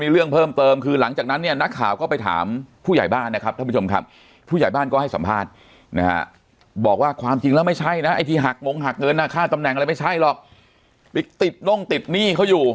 เอาเป็นว่า๒คนนี้บอกว่าผู้ใหญ่บ้านที่เราทำงานด้วย